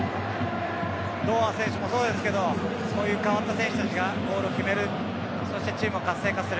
堂安選手もそうですけどそういった代わった選手たちがゴールを決める